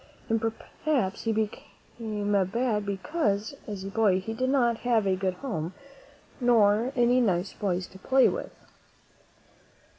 And perhaps he became bad be cause, as a boy, he did not have a good home nor any nice boys to play with.